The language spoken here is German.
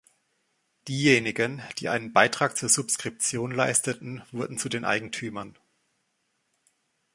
Diejenigen, die einen Beitrag zur Subskription leisteten, wurden zu den Eigentümern.